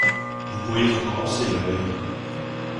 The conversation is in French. Vous pourriez encore danser, la belle!